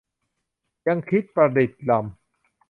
ยั้งคิดประดิษฐ์รำ